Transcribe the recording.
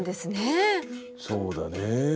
そうだね